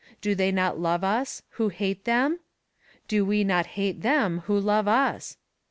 Do they not love us who hate them? Do we not hate them who love us?